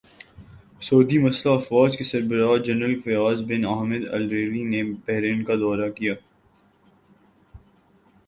سعودی مسلح افواج کے سربراہ general Fayyad bin Hamid Alruwaili نے بحرین کا دورہ کیا